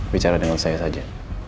bicara dengan saya saja